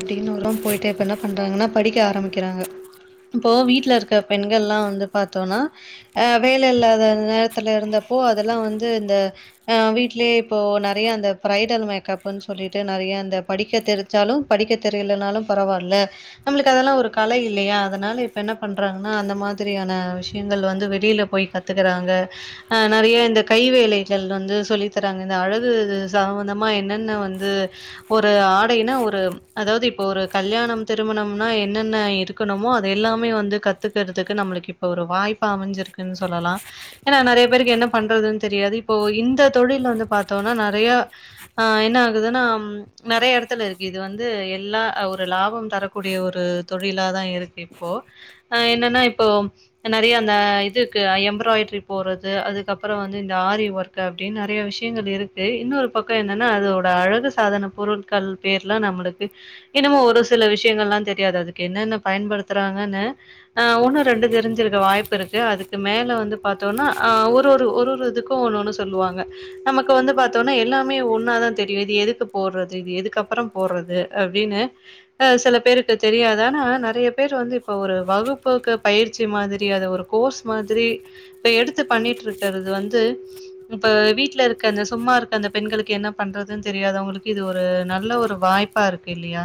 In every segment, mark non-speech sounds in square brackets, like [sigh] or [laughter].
அப்டின்னு உரம் போய்ட்டு இப்ப என்ன பண்றாங்கன்னா படிக்க ஆரம்பிக்கிறாங்க இப்போ வீட்ல இருக்க பெண்கல்லா வந்து பாத்தோனா ஆ வேல இல்லாத நேரத்துல இருந்தப்போ அதெல்லா வந்து இந்த ஆ வீட்லயே இப்போ நெறைய அந்த ப்ரைடல் மேக்கப்பு சொல்லிட்டு நெறைய அந்த படிக்க தெரிஞ்சாலு படிக்க தெரியலனாலு பரவாயில்ல நம்மளுக்கு அதெல்லா ஒரு கலை இல்லையா அதனால இப்ப என்ன பண்றாங்னா அந்த மாதிரியான விஷயங்கள் வந்து வெளியில போய் கத் துக்குறாங்க ஆ நெறைய இந்த கை வேலைகள் வந்து சொல்லி தராங்க இந்த அழகு சம்பந்தமா என்னென்ன வந்து ஒரு ஆடைனா ஒரு அதாவுது இப்ப ஒரு கல்யாணம் திருமணம்னா என்னென்ன இருக்கணுமோ அது எல்லாமே வந்து கத்துக்கிறதுக்கு நம்மளுக்கு இப் போ ஒரு வாய்ப்பா அமைஞ்சிருக்குன் சொல்லலா ஏனா நெறைய பேருக்கு என்ன பண்றதுன் தெரியாது இப்போ இந்த தொழில் வந்து பாத்தோனா நெறைய ஆ என்ன ஆகுதுனா நெறைய எடத்துல இருக்கு இது வந் து எல்லா ஒரு லாபம் தரக்கூடிய ஒரு தொழிலாதா இருக்கு இப்போ ஆ என்னனா இப்போ நெறைய அந்த இதுக்கு எம்ப்ராய்ட்ரி போறது அதுக்கப்புறோ வந்து இந்த ஆரி ஒர்க் அப்படின் நெறைய விஷயங்கள் இருக்கு இன்னொரு பக்கம் என்னனா அதோட அழகு சாதன பொருட்கள் பேர்லா நம்மளுக் கு இன்னமு ஒரு சில விஷயங்கல்லா தெரியாது அது என்னன்ன பயன்படுத்துறாங்கனு அ ஒன்னு ரெண்டு தெரிஞ்சிருக்க வாய்ப்பிருக்கு அதுக்கு மேல வந்து பாத்தோனா அ ஒருஒரு ஒருஒரு இதுக்கு ஒண்ணு ஒன்னு சொல்லுவாங்க நமக்கு வந்து பாத்தோனா எல்லாமே ஒன்னாதா தெரியு இது எதுக்கு போடுறது இது எதுக்கப்பறோ போடுறது அப்டின்னு அ சில பேருக்கு தெரியாது ஆனா நெறைய பேர் வந்து இப்போ ஒரு வகுப்போக்கு பயிற்சி மாதிரியாது ஒரு கோர்ஸ் மாத்ரி இப்ப எடுத்து பண்ணிட்டிருக்றது வந்து இப்ப வீட்ல இருக்க அந்த சும்மா இருக்க அந்த பெண்களுக்கு என்ன பண்றதுன் தெரியாதவங்களுக்கு இது ஒரு நல்ல ஒரு வாய்ப் பா இருக்கு இல்லையா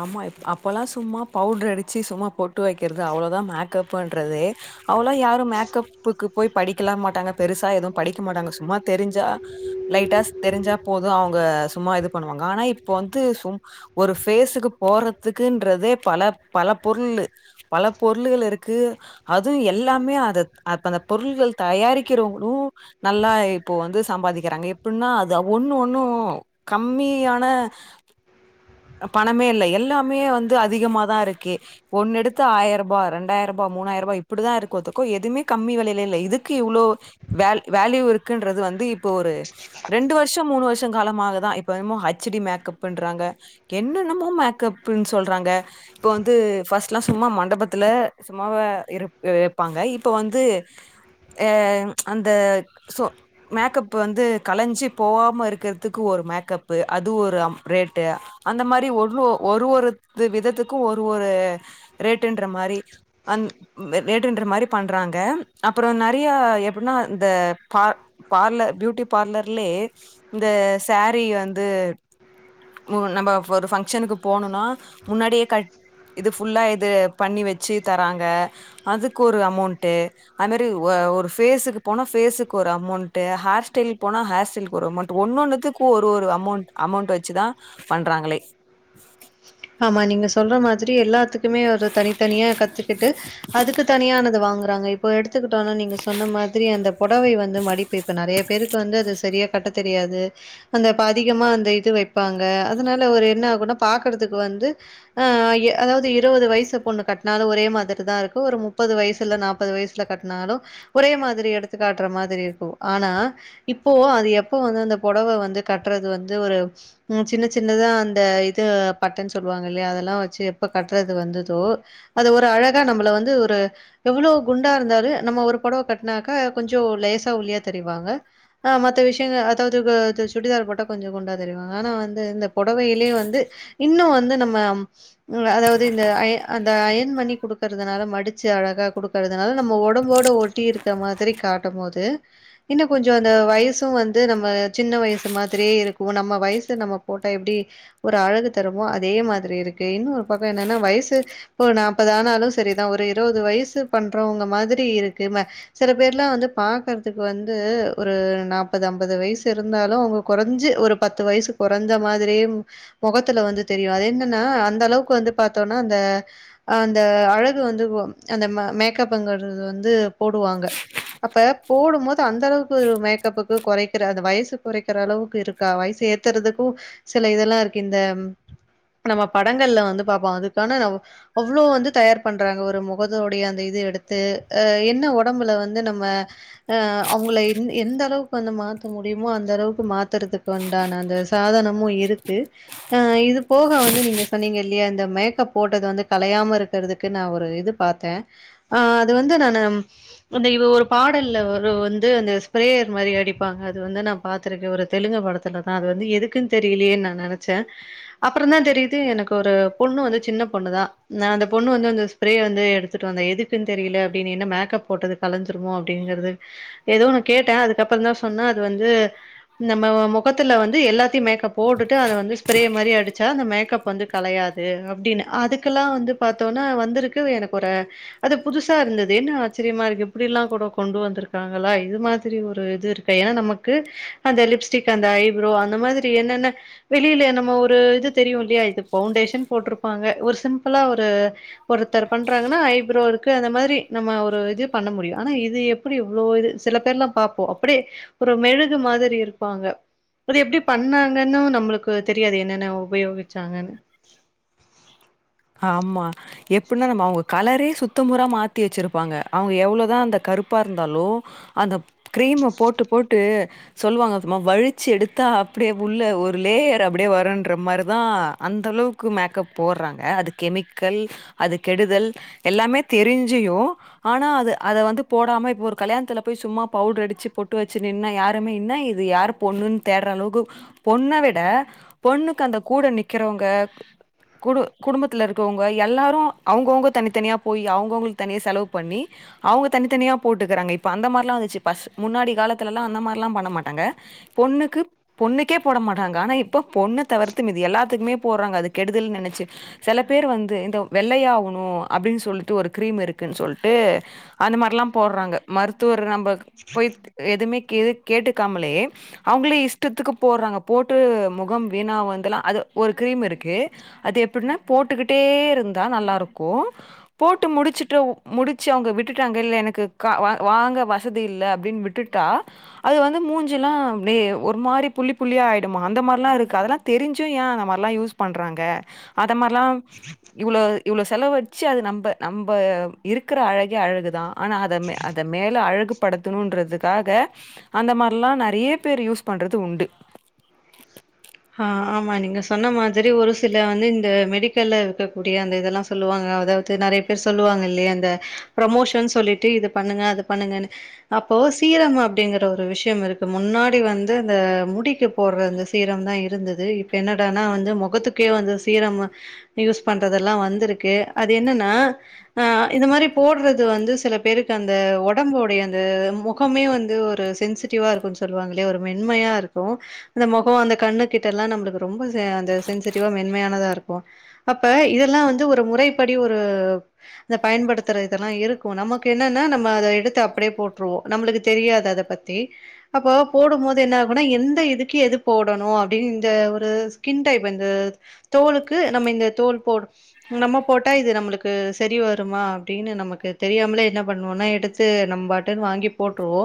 ஆமா அப்போல்லா சும்மா பவுட்ரு அடிச்சி சும்மா பொட்டு வைக்றது அவ்ளோதா மேக்கப்புன்றதே அவோளா யாரும் மேக்கப்புக்கு போய் படிக்கலா மாட்டாங்க பெருசா எதுவு படிக்க மாட்டாங்க சும்மா தெரிஞ்சா லைட்டா தெரிஞ்சா போது அவுங்க சும்மா இது பண்ணுவாங்க ஆனா இப்ப வந்து சு ஒரு பேஸுக்கு போறதுக்குன்றதே பல பல பொருள் பல பொருள்கள் இருக்கு அதுவு எல்லாமே அத அ அந்த பொருள்கள் தயாரிக்கிறவுங்ளு நல்லா இப்போ வந்து சம்பாதிக்கிறாங்க எப்டின்னா அது ஒண்ணு ஒண்ணு கம்மியான பணமே இல்ல எல்லாமே வந்து அதிகமாதா இருக்கே ஒண்ணு எடுத்தா ஆயர்பா ரெண்டாயிர்பா மூணாயிர்பா இப்டிதா இருக்கொ ஒத்துக்கோ எதுமே கம்மி வெலைல இல்ல இதுக்கு இவ்ளோ வேல் வேல்யூ இருக்குன்றது வந்து இப் இப்போ ஒரு ரெண்டு வர்ஷோ மூணு வர்ஷோ காலமாக தா இப்ப என்னமோ ஹச் டி மேக்கப்புண்றாங்க என்னென்னமோ மேக்கப்புன் சொல்றாங்க இப்ப வந்து ஃபஸ்ட்லா சும்மா மண்டபத்துல சும்மாவே இருப் வெப்பாங்க இப்ப வந்து எ அந்த சொ மேக்கப்பு வந்து கலஞ்சி போவாம இருக்கிற்துக்கு ஒரு மேக்கப்பு அது ஒரு ரேட்டு அந்த மாரி ஒன்னு ஒரு ஒரு விதத்துக்கு ஒரு ஒரு ரேட்டுன்ற மாரி அன் ரேட்டுன்ற மாரி பண்றாங்க அப்புறோ நெறைய எப்டின்னா இந்த பா பார்லர் பியூட்டி பார்லர்லே இந்த சேரி வந்து நம்ப ஒரு ஃபங்ஷன்க்கு போனுனா முன்னாடியே கட் இது ஃபுல்லா இது பண்ணி வச்சி தராங்க அதுக்கு ஒரு அமவ்ண்ட்டு அது மாரி ஒரு ஃபேஸுக்கு போனா ஃபேஸுக்கு ஒரு அமவ்ண்ட்டு ஹேர் ஸ்டைல் போனா ஹேர் ஸ்டைல்க்கு ஒரு அமண்ட் ஒன்னொன்னுதுக் ஒரு ஒரு அமவ்ண்ட் அமவ்ண்ட் வச்சுதா பண்றாங்களே ஆமா நீங்க சொல்ற மாதிரி எல்லாத் துக்குமே ஒரு தனித்தனியா கத்துக்கிட்டு அதுக்கு தனியானது வாங்குறாங்க இப் ப்போ எடுத்துக்கிட்டோம்னா நீங்க சொன்ன மாதிரி அந்த பொடவை வந்து மடிப்பு இப்ப நெறய பெருக்கு வந்து அது சரியா கட்ட தெரியாது அந்த இப்ப அதிகமா அந்த இது வெப்பாங்க அதனால ஒரு என்ன ஆகும்னா பாக்குறதுக்கு வந்து ஆ ஐய அதாவ்து இருவது வயசு பொண்ணு கட்னாலு ஒரே மாதிரி தா இருக்கும் ஒரு முப்பது வயசுல்ல நாப் ப்பது வயசுல கட்னாலு ஒரே மாதிரி எடுத்து காட்ற மாதிரி இருக்கு ஆனா இப்போ அது எப்ப வந்து அந்த பொடவ வந்து கட்றது வந்து ஒரு ம் சின்ன சின்னதா அந்த இது பட்டன் சொல்வாங்க இல்லையா அதெல்லா வச்சு எப்ப கட்றது வந்துதோ அத ஒரு அழகா நம்மள வந்து ஒரு எவ்ளோ குண்டா இருந்தாலு நம்ம ஒரு பொடவ கட்னாக்கா கொஞ்சோ லேசா ஒல்லியா தெரிவாங்க அ மத்த விஷ்யங்க அதாவது வா து சுடிதார் போட்டா கொஞ்சோ குண்டா தெரிவாங்க ஆனா வந்து இந்த பொடவையிலே வந்து இன்னு வந்து நம்ம ம் அதாவது இந்த அய அந்த அயன் பண்ணி குடுக்கறதுனால மடிச்சு அழகா குடுக் கறதுனால நம்ம ஒடம்போட ஒட்டி இருக்க மாதிரி காட்டமோது இன்னு கொஞ்சோ அந்த வயசும் வந்து நம்ம சின்ன வயசு மாதிரியே இருக்கும் நம்ம வயசு நம்ம போட்ட எப்டி ஒரு அழகு தருமோ அதே மாதிரி இருக்கு இன்னொரு பக்கோ என்னன்னா வயசு இப்போ நாப்பது ஆனாலு சரிதா ஒரு இருவது வயசு பண்றவங்க மாதிரி இருக்கும சில பேர்ல்லா வந்து பாக்குறதுக்கு வந்து ஒரு நாப்பது அம்பது வயசு இருந்தாலு அவுங்கோ கொறஞ்சு ஒரு பத்து வயசு கொறஞ்சா மாதிரி மொகத் த்துல வந்து தெரியு அது என்னன்னா அந்த அளவுக்கு வந்து பாத்தோன்னா அந்த ஆ அந்த அழகு வந்து வம் அந்த ம மேக்கப்ங்கறது வந்து போடுவாங்க அப்ப போடும்போத் அந்த அளவுக்கு ஒரு மேக்கப்புக்கு கொறைக்கிற அந்த வயசு கொறைக்கிற அளவுக்கு இருக்கா வயசு ஏத்துறதுக்கும் சில இதெல்லா இருக்கு இந்த நம்ம படங்கள்ல வந்து பாப்போ அதுக்கான நமோ அவ்ளோ வந்து தயார் பண்றாங்க ஒரு மொகத்தோடைய அந்த இது எடுத்து அ என்ன ஒடம்புல வந்து நம்ம ஆ அவங்கள எந் எந்த அளவுக்கு வந்து மாத் த முடியுமோ அந்த அளவுக்கு மாத்துறதுக்குண்டான அந்த சாதனமு இருக்கு ஆ இது போக வந்து நீங்க சொன்னீங்க இல்லியா இந்த மேக்கப் போட்டது வந்து கலையாம இருக்கிறதுக்கு நான் ஒரு இதுப் பாத்த ஆ அது வந்து நானு அந்த இது ஒரு பாடல்ல ஒரு வந்து அந்த ஸ்ப்ரேயர் மாரி அடிப்பாங்க அது வந்து நா பாத்துருக்கே ஒரு தெலுங்கு படத்தில தா அது வந்து எதுக்குன் தெரியலேன்னு நா நெனச்ச அப்றோதா தெரியுது எனக்கு ஒரு பொண்ணு வந்து சின்ன பொண்ணு தா நா அந்த பொண்ணு வந்து இந்த ஸ்ப்ரே வந்து எடுத்துட்டு வந்தா எதுக்குன்னு தெரியல அப்டின்னு என்ன மேக்கப் போட்டதுக் கலஞ்சிருமோ அப்டிங்கிறது எதோ ஓன்னு கேட்டே அதுக்கப்றோ தா சொன்னா அது வந்து நம்ம மொகத்துல வந்து எல்லாத்தியு மேக்கப் போட்டுட்டு அத வந்து ஸ்ப்ரே மாரி அடிச்சா அந்த மேக்கப் வந்து கலையாது அப்டின்னு அதுக்கெல்லா வந்து பாத்தோனா வந்திருக்கு எனக் ஒரு அது புதுசா இருந்தது என்ன ஆச்சரியமா இருக்கு இப்டி எல்லா கூட கொண்டு வந்திருக்காங்களா இது மாதிரி ஒரு இது இருக் ப்பா ஏனா நமக்கு அந்த லிப்ஸ்டிக் அந்த ஐப்ரோ அந்த மாதிரி என்னென்ன வெளியில என்ன நம்ம ஒரு இது தெரியு இல்லியா இது பவுண்டேஷன் போட்ருப்பாங்க ஒரு சிம்பிளா ஒரு ஒருத்தர் பண்றாங்கன்னா ஐப்ரோ இருக்கு இப்ப அந்த மாரி நம்ம ஒரு இது பண்ண முடியு ஆனா இது எப்டி இவ்ளோ இது சில பேர்ல்லா பாப்போ அப்டியே ஒரு மெழுகு மாதிரி இருப்பாங்க அது எப்டி பண்ணாங்கன்னு நம்மளுக்கு தெரியாது என்னென்ன உபயோகிச்சாங்கன்னு ஆமா எப்டின்னா நம்ம அவுங்க கலரே சுத்த முறா மாத்தி வச்சிருப்பாங்க அவுங்க எவ்ளோதா அந்த கருப்பா இருந்தாலோ அந்த கிரீம்ம போட்டு போட்டு சொல்லுவாங்க சும்மா வழிச்சீ எடுத்தா அப்டியே உள்ள ஒரு லேயர் அப்டியே வரும்ன்ற மாதிரிதா அந்த அளவுக் கு மேக்கப் போடுறாங்க அது கெமிக்கல் அது கெடுதல் எல்லாமே தெரிஞ்சியு ஆனா அது அத வந்து போடாம இப்ப ஒரு கல்யாணத்துல போய் சும்மா பவுடர் அடிச்சீ பொட்டு வச்சீ நின்னா யாருமே என்ன இது யார் பொண்ணுன்னு தேடுற அளவுக்கு பொண்ண விட பொண்ணுக்கு அந்த கூட நிக்கிறவங்க குடு குடும்பத்தில இருக்கவங்க எல்லாரு அவுங்கோங்க தனித்தனியா போய் அவுங்கோங்களுக்கு தனியா செலவு பண்ணி அவுங்க தனித்தனியா போட்டுக்கறாங்க இப்ப அந்த மாரிலா வந்துச்சு பஸ் முன்னாடி காலத்துலல்லா அந்த மாதிரி எல்லா பண்ண மாட்டாங்க பொண்ணுக்கு பொண்ணுக்கே போட மாட்டாங்க ஆனா இப்ப பொண்ணு தவிர்த்து மீதி எல்லாத்துக்குமே போடுறாங்க அதுக் கெடுதல் நெனைச்சீ செல பேர் வந்து இந்த வெள்ளையாவுணு அப்டின்னு சொல்ட்டு ஒரு கிரீம் இருக்குன்னு சொல்ட்டு அந்த மாரில்லா போட்றாங்க மருத்துவ நம்ம போய் எதுவுமே கே கேட்டுக்காமலே அவுங்களே இஷ்டத்துக்கு போடுறாங்க போட்டு முகம் வீணா வந்தலாம் அது ஒரு கிரீம் இருக்கு அது எப்டின்னா போட்டுக்கிட்டே இருந்தா நல்லா இருக்கு போட்டு முடிச்சுட்டு முடிச்சு அவங்க விட்டுட்டாங்க இல்ல எனக்கு கா வா வாங்க வசதி இல்ல அப்டின்னு விட்டு க்கா அது வந்து மூஞ்சீல்லா வே ஒரு மாரி புள்ளி புள்ளியா ஆயிடுமா அந்த மாரிலா இருக்கு அதெல்லா தெரிஞ்சு ஏ அந்த மாரிலா யூஸ் பண்றாங்க அத மாரலா [inaudible] இவ்ளோ இவ்ளோ செலவு வச்சு அது நம்ப நம்ப இருக்குற அழகே அழகுதா ஆனா அத அத மேல அழகுப்படுத்தணுன்றதுக்காக அந்த மாரிலா நெறைய பேர் யூஸ் பண்றது உண்டு ஆ ஆமா நீங்க சொன்ன மாதிரி ஒரு சில வந்து இந்த மெடிக்கல்ல இருக்கக்கூடிய அந்த இதெல்லா சொல்லுவாங்க அதாவுது நெறைய பேர் சொல்லுவாங்க இல்லியா இந்த ப்ரமோஷன் சொல்லிட்டு இது பண்ணுங்க அது பண்ணுங்கணு அப்போ சீரம் அப்டிங்கிற ஒரு விஷியோ இருக்கு முன்னாடி வந்து அந்த முடிக்கு போடுற அந்த சீ ரம் தா இருந்தது இப்ப என்னடா னா வந்து முகத்துக்கே வந்து சீரம் யூஸ் பண்றதெல்லா வந்துருக்கு அது என்னன்னா ஆ இந்த மாரி போடுறது வந்து சில பேருக்கு அந்த ஒடம்போடைய அந்த மொக் க்குமே வந்து ஒரு சென்சிடிவாருக்கு சொல்லுவாங்கலியா ஒரு மென்மையா இருக்கு அந்த மொகோ அந்த கண்ணுகிட்டலா நம்ளுக்கு ரொம்ப செ அந்த சென்சிட்டிவா மென்மையானதா இருக்கு அப்ப இதெல்லா வந்து ஒரு முறைப்படி ஒரு இத பயன்படுத்துற இதெல்லா இருக்கு நமக்கு என்னனா நம்ம அத எடுத்து அப்டியே போட்ருவோ நம்மளுக்கு தெரியாது அத பத்தி அப்போ போடுமோது என்ன ஆகுனா எந்த இதுக்கு எது போ டணு அப்டின் இந்த ஒரு ஸ்கின் டைப் இந்த தோலுக்கு நம்ம இந்த தோல் போடு நம்ம போட்டா இது நம்ளுக்கு சரி வருமா அப்டின்னு நமக்கு தெரியாமுலே என்ன பண்ணுவோனா எடு த்து நம்பட்டுன் வாங்கி போட்ருவோ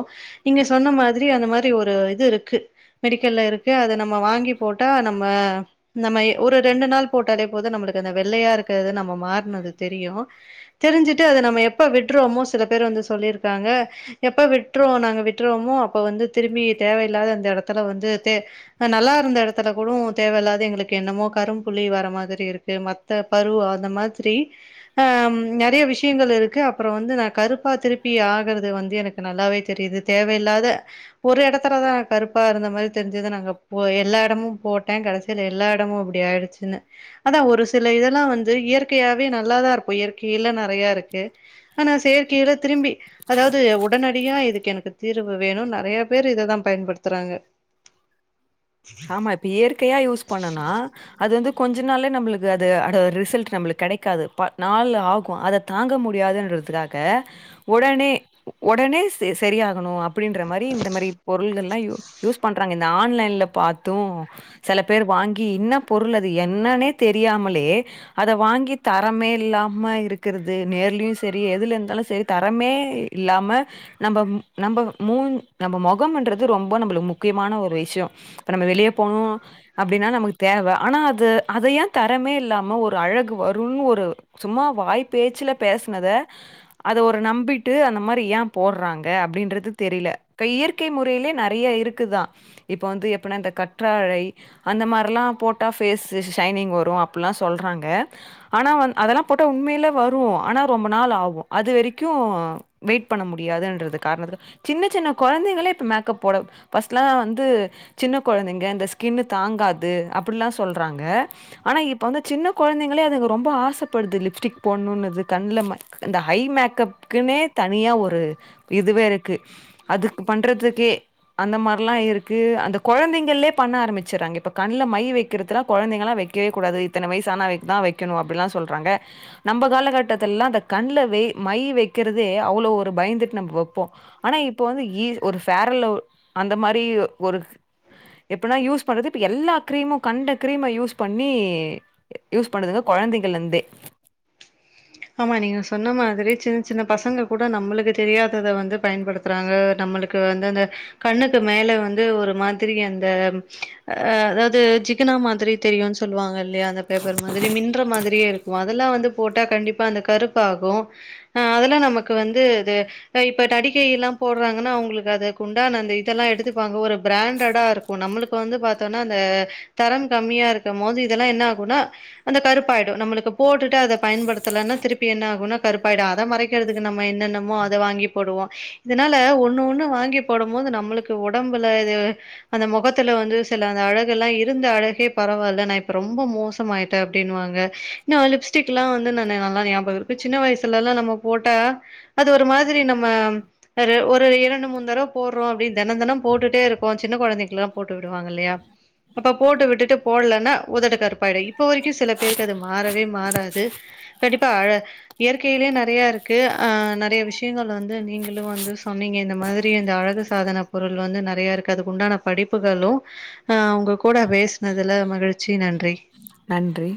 நீங்க சொன்ன மாதிரி அந்த மாரி ஒரு இது இருக்கு மெடிக்கல்ல இருக்கு அத நம்ம வாங்கி போட்டா நம்ம நம்ம ஒரு ரெண்டு நாள் போட்டாலே போது நம்மளுக்கு அந்த வெள்ளையா இருக்குறது நம்ம மார்னது தெரியு தெரிஞ்சுட்டு அத நம்ம எப்ப விட்ருவோமோ சில பேர் வந்து சொல்லிருக்காங்க எப்ப விட்ருவோ நாங்க விட்ருவோமோ அப்போ வந்து திரும்பி தேவயில்லாத அந்த இடத்துல வந்து தே அ நல்லா இருந்த இடத்துல கூடு தேவயில்லாது எங்ளுக்கு என்னமோ கரும்புள்ளி வர மாதிரி இருக்கு மத் த பரு அந்த மாதிரி ஆம் நெறைய விஷ்யங்கள் இருக்கு அப்புறோ வந்து நா கருப்பா திருப்பி ஆகுறது வந்து எனக் கு நல்லாவே தெரிது தேவயில்லாத ஒரு எடத்துலதா கருப்பா இருந்த மாரி தெரிஞ்சது நாங்க போ எல்லா எடமு போட்டே கடைசில எல்லா எடமு அப்புடி ஆயிடுச்சுன்னு அதா ஒரு சில இதெல்லா வந்து இயற்கையாவே நல்லாதா இருக்கு இயற்கையில நெறையா இருக்கு ஆனா செயற்கைல திரும்பி அதாவ்து உடனடியா இதுக்கு எனக்கு தீர்வு வேணு நெறைய பேர் இதுதா பயன்படுத்துறாங்க ஆமா இப்ப இயற்கையா யூஸ் பண்ணுனா அது வந்து கொஞ்ச நாள்லே நம்ளுக்கு அது அடு ரிசல்ட் நம்ளுக் கெடைக்காது பா நாள் ஆகு அத தாங்க முடியாதுன்றதுக்காக ஒடனே ஒடனே செ சரியாகணு அப் அப்டின்ற மாரி இந்த மாரி பொருள்கள்லா யூஸ் பண்றாங்க இந்த ஆன்லைன்ல பாத்தூ செல பேர் வாங்கி இன்ன பொருளது என்னனே தெரியாமலே அத வாங்கி தரமே இல்லாம இருக்குறது நேர்லியு செரி எதுல இருந்தாலு செரி தரமே இல்லாம நம்ப நம்ப மூஞ் நம்போ மொகமுன்றது ரொம்பா நம்ளுக்கு முக்கியமான ஒரு விஷ்யோ இப்ப நம்ம வெளிய போணு அப்டினா நமக்கு தேவ ஆனா அது அத ஏன் தரமே இல்லாம ஒரு அழகு வருன் ஒரு சும்மா வாய் பேச்சுல பேசுனத அத ஒரு நம்பிட்டு அந்த மாரி ஏன் போட்றாங்க அப்டின்றது தெரில க இயற் கை முறையிலே நெறைய இருக்குதா இப்போ வந்து எப்புனா இந்த கற்றாழை அந்த மார்லா போட்டா ஃபேஸு ஷைனிங் வரு அப்புலா சொல்றாங்க ஆனா வந் அதெலா போட்டா உண்மேல வரும ஆனா ரொம்ப நாள் ஆகு அது வரைக்கு வெய்ட் பண்ண முடியாதுன்றது காரணத்துக்கா சின்ன சின்ன கொழந்தைங்களே இப்ப மேக்கப் போட ஃபஸ்ட்லா வந்து சின்ன கொழந்தைங்க இந்த ஸ்கின்னு தாங்காது அப்புலா சொல்றாங்க ஆனா இப்ப வந்து சின்ன கொழந்தைங்களே அதுக்கு ரொம்போ ஆசப்படுது லிப்ஸ்டிக் போனுன்னு அது கண்ல ம இந்த ஹை மேக்கப்குன்னே தனியா ஒரு இதுவே இருக்கு அதுக்கு பண்றதுக்கே அந்த மார்லா இருக்கு அந்த கொழந்தைங்கிள்லே பண்ண ஆரமிச்சுறாங்க இப்ப கண்ல மை வைக்கிறதுலா கொழந்தைங்கலா வக்கவே கூடாது இத்தன வய்சான ஆனவைக்குதா வைக்கணு அப்டிலா சொல்றாங்க நம்ம காலகட்டத்துல்லா அந்த கண்லவே மை வைக்கிறதே அவுளோ ஒரு பயந்துட் நம்ப் வப்போ ஆனா இப்ப வந்து ஈ ஒரு ஃபேரலவு அந்த மாரி ஒ ஒரு எப்புனா யூஸ் பண்றது இப்போ எல்லா க்ரீமு கண்ட க்ரீம யூஸ் பண்ணி யூஸ் பண்ணுதுங்க கொழந்தைகள்ல இந்தே ஆமா நீங்க சொன்ன மாதிரி சின்ன சின்ன பசங்க கூட நம்மளுக்கு தெரியாததை வந்து பயன்படுத்த அனுபுறாங்க நம்மளுக்கு வந்து அந்த கண்ணுக்கு மேல வந்து ஒரு மாதிரி அந்த ஆ அதாவது சிகுனா மாதிரி தெரியும் சொல்லுவாங்க இல்லையா அந்த பேப்பர் மாதிரி மின்ற மாதிரியே இருக்கும் அதெல்லாம் வந்து போட்டா கண்டி ப்பா அந்த கருப்பு ஆகும் ஆ அதெல்லாம் நமக்கு வந்து அது இப்ப நடிகை எல்லாம் போடுறாங்கன்னா அவங்களுக்கு அத உண்டான அந்த இதெல்லாம் எடுத்துப்பாங்க ஒரு பிராண்டடா இரு நம்மளுக்கு வந்து பாத்தனா அந்த தரம் கம்மியா இருக்கும் போது இதெல்லாம் என்ன ஆகும்னா அந்த கருப்பாயிடும் நம்முளுக்கு போட்டுட்டு அத பயன்படு த்தலனா திருப்பி என்ன ஆகும்னா கருப்பாயிடும் அத மறைக்கிறதுக்கு நம்ம என்னென்னமோ அத வாங்கி போடுவோ இதனால ஒன்னு ஒன்னு வாங்கி போடும் போது நம்மளுக்கு உடம்புல இது அந்த முகத்துல வந்து சில அந்த அழகு எல்லாம் இருந்த அழகே பரவாயில்ல நான் இப்ப ரொம்ப மோச பூச மாட்ட அப்படின்னு வாங்க நா லிப்ஸ்டிக்ல்லா வந்து நா ல்ல நல்லா ஞாபகம் இருக்கு சின்ன வயசுல எல்லாம் நம்ம போட்டா அது ஒரு மாதிரி நம்ம அது ஒரு இரண்டு மூணு தடவ போடுறோம் அப்படின் தினம் தினம் போட்டுட்டே இரு ப்போ சின்ன குழந்தைங்களுக்ல்லா போட்டு விடுவாங்க இல்லையா அப்ப போட்டு விட்டுட்டு போல்லன்னா உதடு கருப்பாயிடும் இப்ப வரைக்கும் சில பேருக்கு அது மாறவே மாறாது கண்டிப்பா இயற்கையிலயே நெறைய இருக்கு ஆ நெறைய விஷயங்கள் வந்து நீங்களும் வந்து சொன்னீங்க இந்த மாதிரி இந்த அழகு சாதன பொருள் வந்து நெறைய இருக்காது அதுக்குண்டான படிப்புகளு ஆ உங்க கூட பேசனதுல மகிழ்ச்சி நன்றி நன்றி